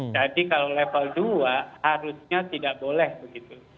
jadi kalau level dua harusnya tidak boleh begitu